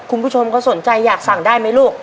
คุณผู้ชมก็สนใจอยากสั่งได้ไหมลูก